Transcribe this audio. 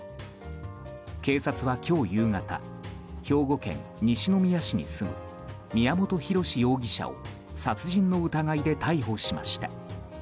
警察は今日夕方兵庫県西宮市に住む宮本浩志容疑者を殺人の疑いで逮捕しました。